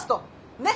ねっ？